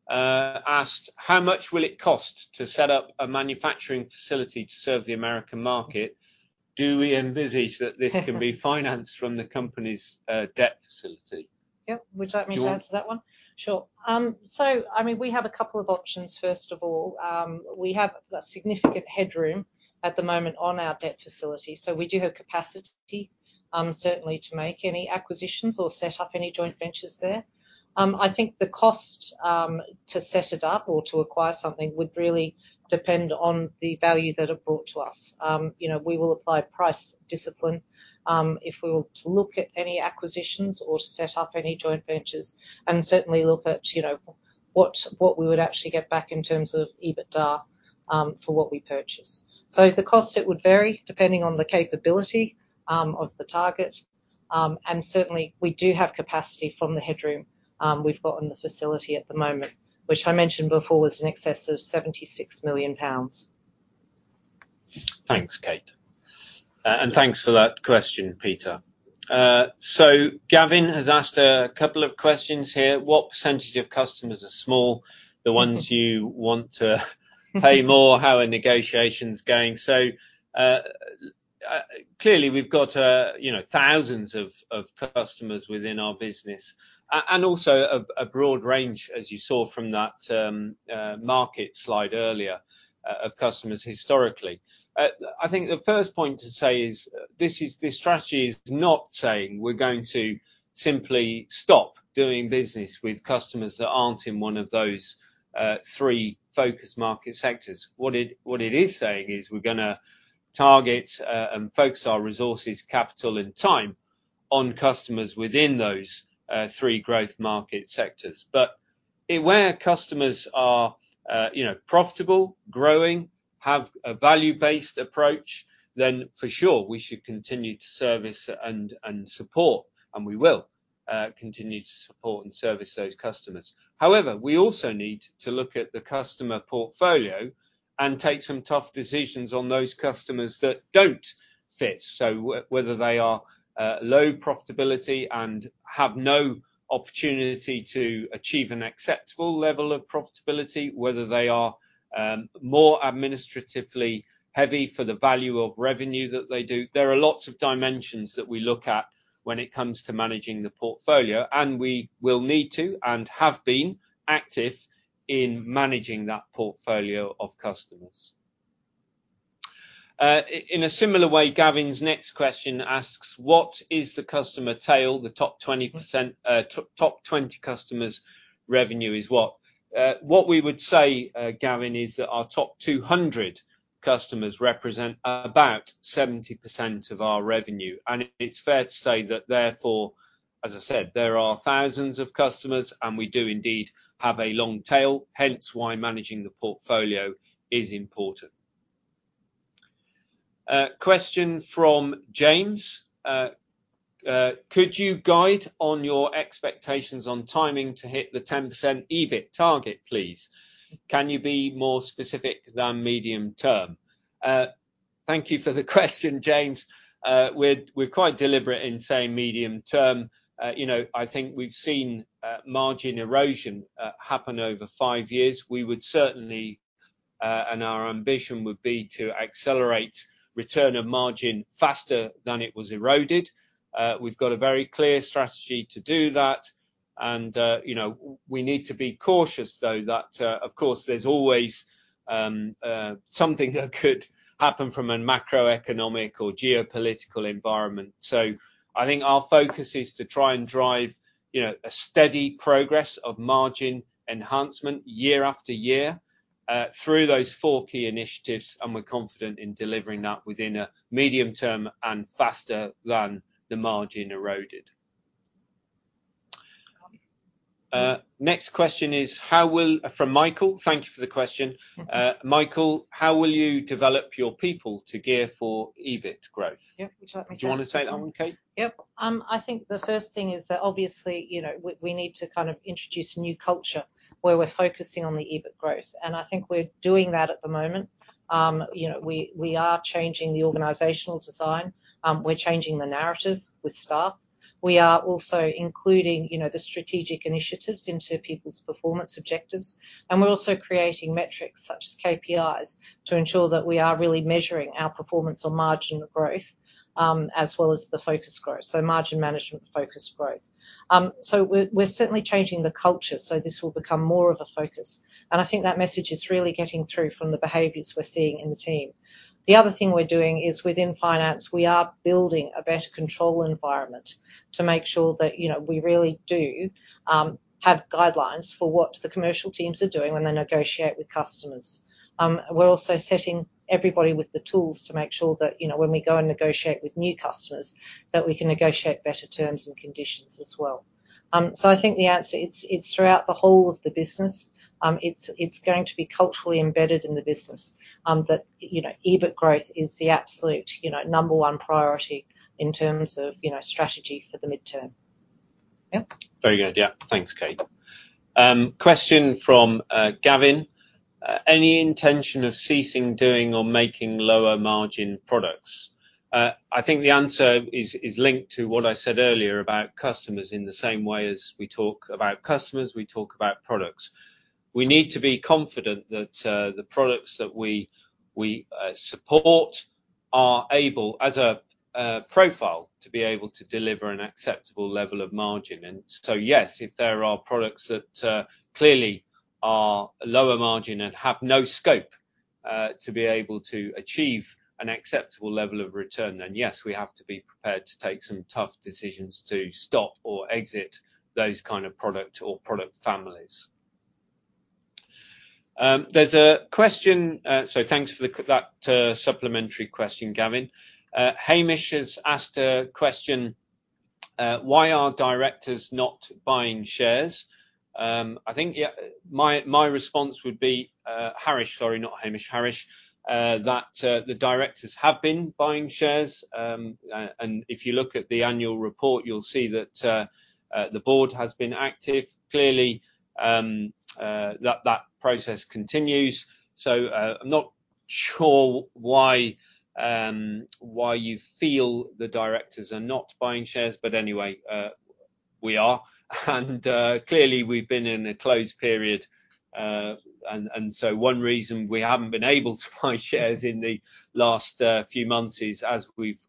asked: How much will it cost to set up a manufacturing facility to serve the American market? Do we envisage that this can be financed from the company's, debt facility? Yep. Would you like me to answer that one? Sure. Sure. So I mean, we have a couple of options, first of all. We have a significant headroom at the moment on our debt facility, so we do have capacity, certainly to make any acquisitions or set up any joint ventures there. I think the cost to set it up or to acquire something would really depend on the value that it brought to us. You know, we will apply price discipline, if we were to look at any acquisitions or to set up any joint ventures, and certainly look at, you know, what we would actually get back in terms of EBITDA, for what we purchase. So the cost, it would vary, depending on the capability of the target. And certainly, we do have capacity from the headroom we've got in the facility at the moment, which I mentioned before was in excess of 76 million pounds. Thanks, Kate. And thanks for that question, Peter. So, Gavin has asked a couple of questions here: What percentage of customers are small, the ones you want to pay more? How are negotiations going? So, clearly, we've got, you know, thousands of customers within our business, and also a broad range, as you saw from that market slide earlier, of customers historically. I think the first point to say is, this is—this strategy is not saying we're going to simply stop doing business with customers that aren't in one of those three focus market sectors. What it is saying is we're gonna target and focus our resources, capital, and time on customers within those three growth market sectors. But where customers are, you know, profitable, growing, have a value-based approach, then for sure, we should continue to service and, and support, and we will continue to support and service those customers. However, we also need to look at the customer portfolio and take some tough decisions on those customers that don't fit. So whether they are low profitability and have no opportunity to achieve an acceptable level of profitability, whether they are more administratively heavy for the value of revenue that they do. There are lots of dimensions that we look at when it comes to managing the portfolio, and we will need to and have been active in managing that portfolio of customers. In a similar way, Gavin's next question asks: "What is the customer tail, the top 20 percent, top 20 customers' revenue is what?" What we would say, Gavin, is that our top 200 customers represent about 70% of our revenue, and it's fair to say that therefore, as I said, there are thousands of customers, and we do indeed have a long tail, hence why managing the portfolio is important. Question from James: "Could you guide on your expectations on timing to hit the 10% EBIT target, please? Can you be more specific than medium term?" Thank you for the question, James. We're, we're quite deliberate in saying medium term. You know, I think we've seen margin erosion happen over 5 years. We would certainly, and our ambition would be to accelerate return of margin faster than it was eroded. We've got a very clear strategy to do that, and, you know, we need to be cautious, though, that, of course, there's always something that could happen from a macroeconomic or geopolitical environment. So I think our focus is to try and drive, you know, a steady progress of margin enhancement year after year, through those four key initiatives, and we're confident in delivering that within a medium term and faster than the margin eroded. Next question is: "How will..." From Michael. Thank you for the question. Mm-hmm. Michael: "How will you develop your people to gear for EBIT growth? Yep, which I- Do you wanna take that one, Kate? Yep. I think the first thing is that, obviously, you know, we need to kind of introduce a new culture, where we're focusing on the EBIT growth, and I think we're doing that at the moment. You know, we are changing the organizational design. We're changing the narrative with staff. We are also including, you know, the strategic initiatives into people's performance objectives, and we're also creating metrics, such as KPIs, to ensure that we are really measuring our performance on margin of growth, as well as the focus growth, so margin management focus growth. So we're certainly changing the culture, so this will become more of a focus, and I think that message is really getting through from the behaviors we're seeing in the team. The other thing we're doing is, within finance, we are building a better control environment to make sure that, you know, we really do have guidelines for what the commercial teams are doing when they negotiate with customers. We're also setting everybody with the tools to make sure that, you know, when we go and negotiate with new customers, that we can negotiate better terms and conditions as well. So I think the answer, it's throughout the whole of the business. It's going to be culturally embedded in the business, that, you know, EBIT growth is the absolute, you know, number one priority in terms of, you know, strategy for the midterm. Yep. Very good. Yeah. Thanks, Kate. Question from, Gavin: "Any intention of ceasing doing or making lower margin products?" I think the answer is linked to what I said earlier about customers. In the same way as we talk about customers, we talk about products. We need to be confident that, the products that we support are able, as a profile, to be able to deliver an acceptable level of margin. And so, yes, if there are products that, clearly are lower margin and have no scope, to be able to achieve an acceptable level of return, then, yes, we have to be prepared to take some tough decisions to stop or exit those kind of product or product families. There's a question. So thanks for the, that, supplementary question, Gavin. Hamish has asked a question: "Why are directors not buying shares?" I think, yeah, my response would be, Hamish, sorry, not Hamish, Hamish, that the directors have been buying shares. And if you look at the annual report, you'll see that the board has been active. Clearly, that process continues, so I'm not sure why you feel the directors are not buying shares, but anyway, we are. And clearly, we've been in a closed period, and so one reason we haven't been able to buy shares in the last few months is, as we've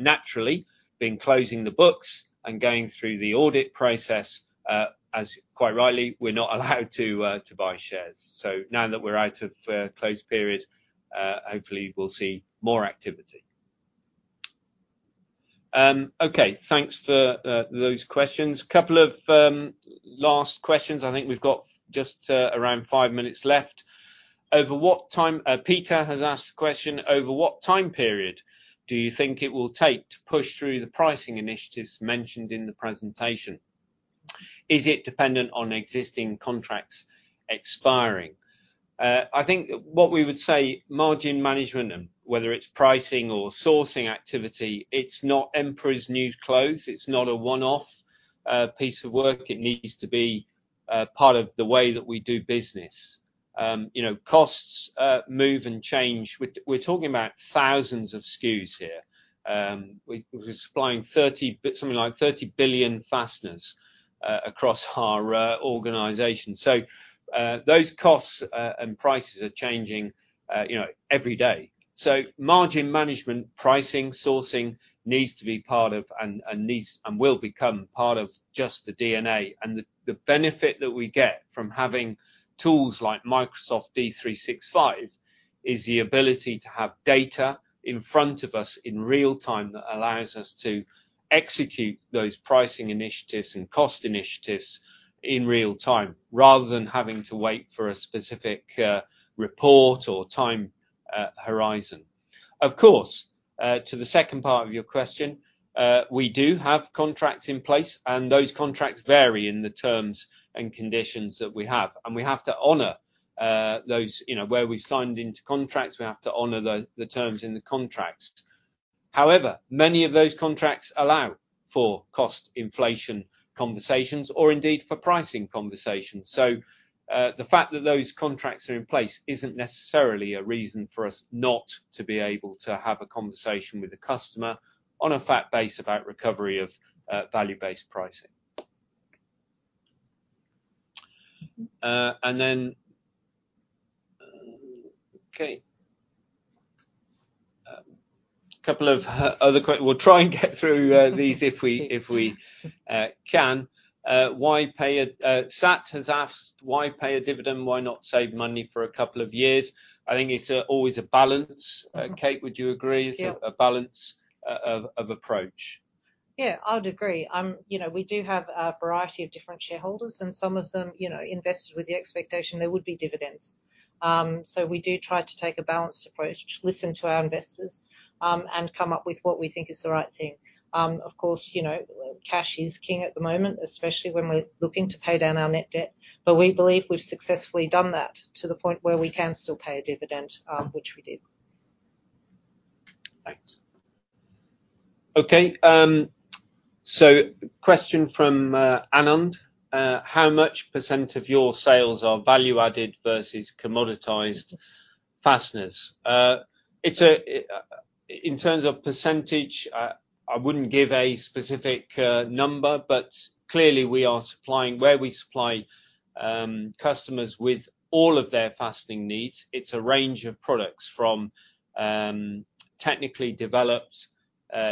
naturally been closing the books and going through the audit process, as quite rightly, we're not allowed to buy shares. So now that we're out of closed period, hopefully we'll see more activity. Okay, thanks for those questions. Couple of last questions. I think we've got just around five minutes left. "Over what time..." Peter has asked a question: "Over what time period do you think it will take to push through the pricing initiatives mentioned in the presentation? Is it dependent on existing contracts expiring?" I think what we would say, margin management, and whether it's pricing or sourcing activity, it's not emperor's new clothes. It's not a one-off piece of work. It needs to be part of the way that we do business. You know, costs move and change. We're talking about thousands of SKUs here, we're supplying something like 30 billion fasteners across our organization. So, those costs and prices are changing, you know, every day. So margin management, pricing, sourcing needs to be part of, and, and needs, and will become part of just the DNA. And the benefit that we get from having tools like Microsoft D365 is the ability to have data in front of us in real time that allows us to execute those pricing initiatives and cost initiatives in real time, rather than having to wait for a specific report or time horizon. Of course, to the second part of your question, we do have contracts in place, and those contracts vary in the terms and conditions that we have. And we have to honor those, you know, where we've signed into contracts, we have to honor the terms in the contracts. However, many of those contracts allow for cost inflation conversations, or indeed, for pricing conversations. So, the fact that those contracts are in place isn't necessarily a reason for us not to be able to have a conversation with the customer on a fact basis about recovery of value-based pricing. And then... Okay. A couple of other questions we'll try and get through these if we can. Why pay a... Sat has asked, "Why pay a dividend? Why not save money for a couple of years?" I think it's always a balance. Kate, would you agree- Yeah. It's a balance of approach? Yeah, I would agree. You know, we do have a variety of different shareholders, and some of them, you know, invested with the expectation there would be dividends. So we do try to take a balanced approach, listen to our investors, and come up with what we think is the right thing. Of course, you know, cash is king at the moment, especially when we're looking to pay down our net debt, but we believe we've successfully done that to the point where we can still pay a dividend, which we did. Thanks. Okay, so question from Anand: "How much % of your sales are value-added versus commoditized fasteners?" It's a, in terms of %, I wouldn't give a specific number, but clearly, we are supplying, where we supply, customers with all of their fastening needs, it's a range of products from, technically developed,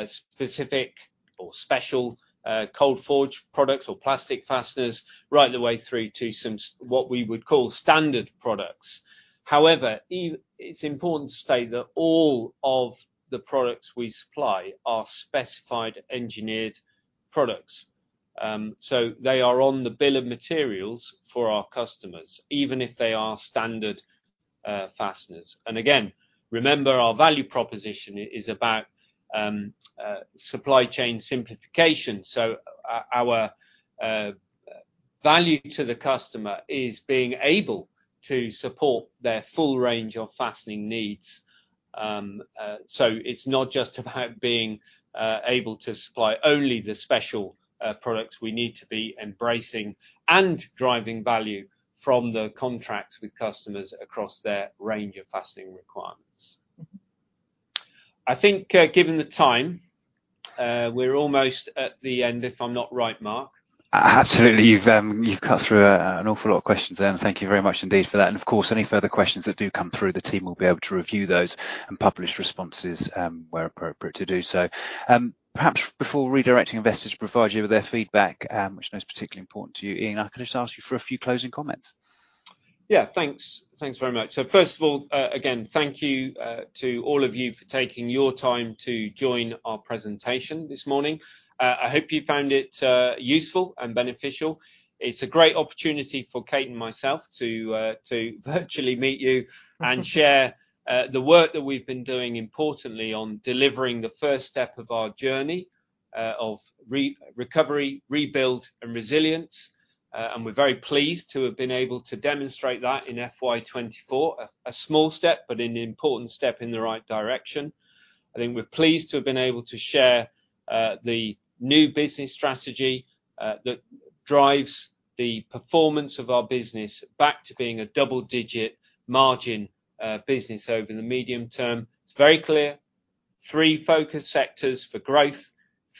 specific or special, cold form products or plastic fasteners, right the way through to some what we would call standard products. However, it's important to state that all of the products we supply are specified engineered products. So they are on the bill of materials for our customers, even if they are standard fasteners. Again, remember, our value proposition is about supply chain simplification, so our value to the customer is being able to support their full range of fastening needs. So it's not just about being able to supply only the special products. We need to be embracing and driving value from the contracts with customers across their range of fastening requirements. Mm-hmm. I think, given the time, we're almost at the end, if I'm not right, Mark. Absolutely. You've, you've cut through an awful lot of questions, and thank you very much indeed for that. Of course, any further questions that do come through, the team will be able to review those and publish responses where appropriate to do so. Perhaps before redirecting investors to provide you with their feedback, which is particularly important to you, Iain, can I just ask you for a few closing comments? Yeah, thanks. Thanks very much. So first of all, again, thank you to all of you for taking your time to join our presentation this morning. I hope you found it useful and beneficial. It's a great opportunity for Kate and myself to virtually meet you and share the work that we've been doing, importantly, on delivering the first step of our journey of recovery, rebuild, and resilience. And we're very pleased to have been able to demonstrate that in FY 2024. A small step, but an important step in the right direction. I think we're pleased to have been able to share the new business strategy that drives the performance of our business back to being a double-digit margin business over the medium term. It's very clear, 3 focus sectors for growth,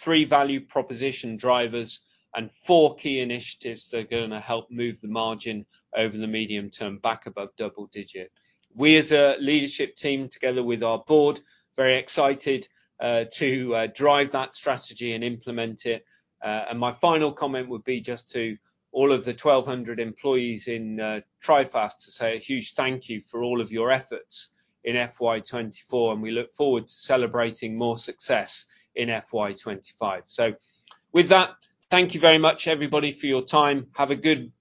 3 value proposition drivers, and 4 key initiatives that are gonna help move the margin over the medium term back above double digit. We, as a leadership team, together with our board, very excited to drive that strategy and implement it. And my final comment would be just to all of the 1,200 employees in Trifast, to say a huge thank you for all of your efforts in FY 2024, and we look forward to celebrating more success in FY 2025. So with that, thank you very much, everybody, for your time. Have a good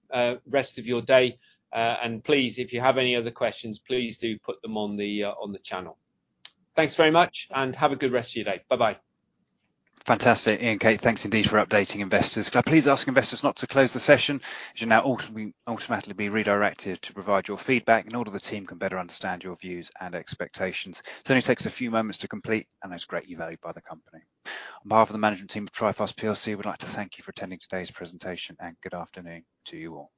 rest of your day, and please, if you have any other questions, please do put them on the channel. Thanks very much, and have a good rest of your day. Bye-bye. Fantastic. Iain and Kate, thanks indeed for updating investors. Can I please ask investors not to close the session, as you'll now ultimately, ultimately be redirected to provide your feedback in order the team can better understand your views and expectations. It only takes a few moments to complete, and it's greatly valued by the company. On behalf of the management team of Trifast PLC, we'd like to thank you for attending today's presentation, and good afternoon to you all.